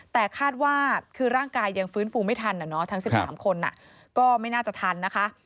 แต่คาดว่าคือร่างกายยังฟื้นฟูไม่ทันทั้ง๑๓คนก็ไม่น่าจะทันนะคะ